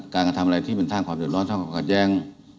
การทำอะไรที่เป็นทางความเดือดร้อนทางความกัดแย่ง